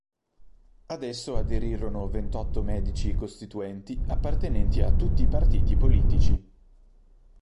Ad esso aderirono ventotto medici costituenti appartenenti a tutti i partiti politici.